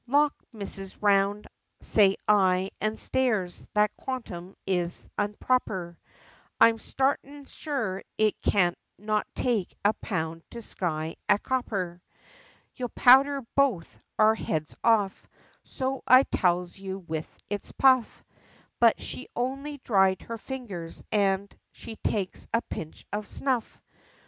Lawk, Mrs. Round! says I, and stares, that quantum is unproper, I'm sartin sure it can't not take a pound to sky a copper; You'll powder both our heads off, so I tells you, with its puff, But she only dried her fingers, and she takes a pinch of snuff.